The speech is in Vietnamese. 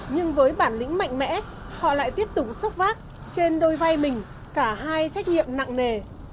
nhưng với bản lĩnh mạnh mẽ họ lại tiếp tục sốc vác trên đôi vai mình cả hai trách nhiệm nặng nề